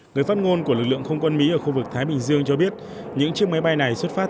người phát ngôn của lực lượng không quân mỹ ở khu vực thái bình dương cho biết những chiếc máy bay này xuất phát